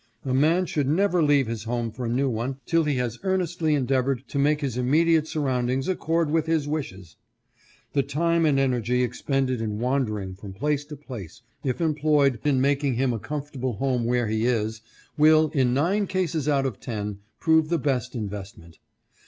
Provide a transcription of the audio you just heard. A man should never leave his home for a new one till he has earnestly endeavored to make his immediate surroundings accord with his wishes. The time and energy expended in wandering from place to place, if employed in making him a comfortable home where he is, will, in nine cases out of ten, prove the best investment.